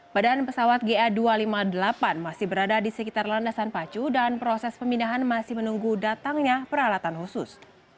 badan pesawat ga dua ratus lima puluh delapan masih berada di sekitar landasan pacu dan proses pemindahan masih menunggu datangnya peralatan khusus